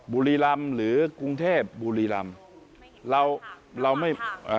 บุรีรัมพ์หรือกรุงเทพฯบุรีรัมพ์